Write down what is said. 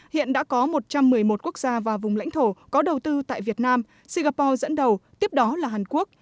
hiện đã có một trăm một mươi một quốc gia và vùng lãnh thổ có đầu tư tại việt nam singapore dẫn đầu tiếp đó là hàn quốc